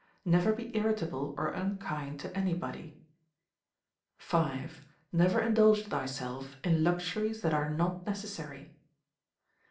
Never be irritable or unkind to anybody. v. Never indulge thyself in luxuries that are not necessary.